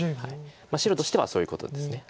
白としてはそういうことです。